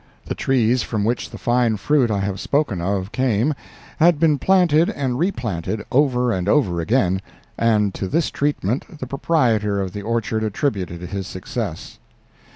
The trees from which the fine fruit I have spoken of came had been planted and replanted over and over again, and to this treatment the proprietor of the orchard attributed his success.